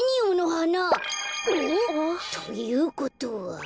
お？ということは。